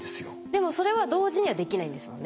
でもそれは同時にはできないんですもんね。